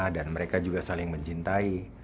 dan mereka juga saling mencintai